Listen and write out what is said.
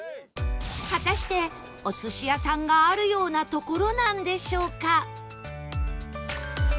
果たしてお寿司屋さんがあるような所なんでしょうか？